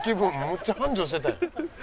むっちゃ繁盛してたんや。